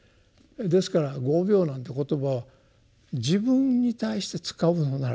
ですから「業病」なんて言葉は自分に対して使うのならいざ知らずですよ。